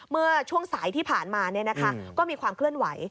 เมื่อช่วงสายที่ผ่านมาก็มีความเคลื่อนไหว